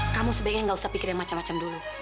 kamu sebaiknya tidak usah pikirkan macam macam dulu